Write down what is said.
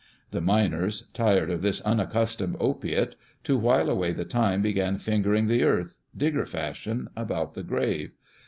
The miners, tired of this unaccustomed opiate, to while away the time began fingering the earth, digger fashion, about the grave.